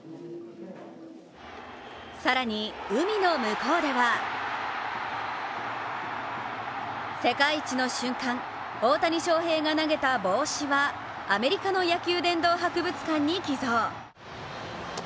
更に海の向こうでは世界一の瞬間、大谷翔平が投げた帽子は、アメリカの野球殿堂博物館に寄贈。